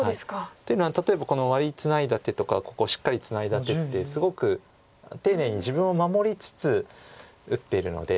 っていうのは例えばこのワリツナいだ手とかここをしっかりツナいだ手ってすごく丁寧に自分を守りつつ打っているので。